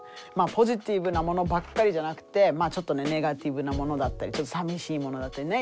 ポジティブなものばっかりじゃなくてちょっとネガティブなものだったりちょっとさみしいものだったりね